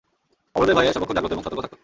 অবরোধের ভয়ে সর্বক্ষণ জাগ্রত এবং সতর্ক থাকত।